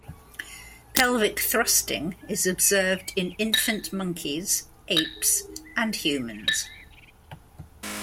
Pelvic thrusting is observed in infant monkeys, apes, and humans.